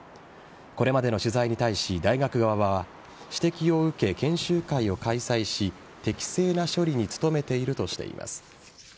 これまでの取材に対し大学側は指摘を受け、研修会を開催し適正な処理に努めているとしています。